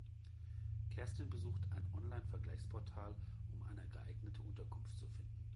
Kerstin besuchte ein Online-Vergleichsportal, um eine geeignete Unterkunft zu finden.